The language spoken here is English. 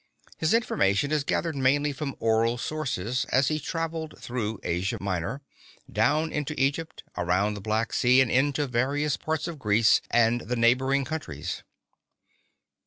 His information he gathered mainly from oral sources, as he traveled through Asia Minor, down into Egypt, round the Black Sea, and into various parts of Greece and the neighboring countries.